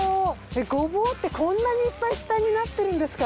えっゴボウってこんなにいっぱい下になってるんですか？